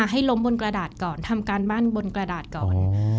ให้ล้มบนกระดาษก่อนทำการบ้านบนกระดาษก่อน